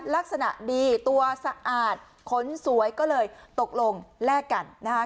ลักษณะดีตัวสะอาดขนสวยก็เลยตกลงแลกกันนะคะ